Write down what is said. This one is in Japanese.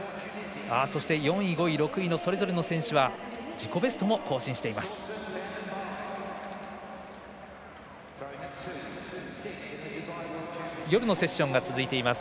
そして４位、５位、６位のそれぞれの選手は自己ベストも更新しています。